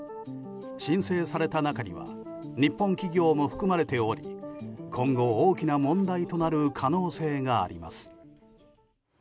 申請された中には日本企業も含まれており今後、大きな問題となる可能性があります。